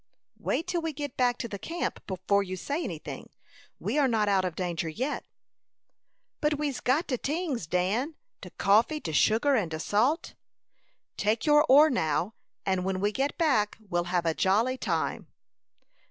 "Wait till we get back to the camp before you say any thing. We are not out of danger yet." "But we's got de tings, Dan de coffee, de sugar, and de salt." "Take your oar now, and when we get back we'll have a jolly time."